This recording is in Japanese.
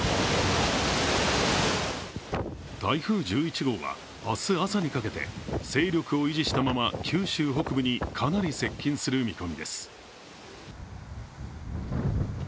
台風１１号は明日朝にかけて勢力を維持したまま九州北部にかなり接近する見込みです。